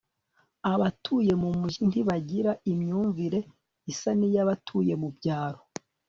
abatuye mu mijyi ntibagira imyumvire isa n'iy'abatuye mu byaro